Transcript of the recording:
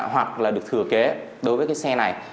hoặc là được thừa kế đối với cái xe này